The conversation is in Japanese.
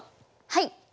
はい。